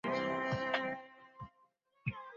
ওদের সবারই কি এই অবস্থা?